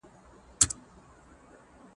هغوی ته مو د سهار پر وخت نجات ورکړ.